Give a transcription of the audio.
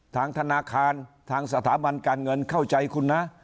ทางธนาคารทางสถาบันการเงินเข้าใจคุณนะ